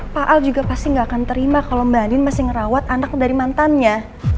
pak al juga pasti nggak akan terima kalau mbak din masih ngerawat anak dari mantannya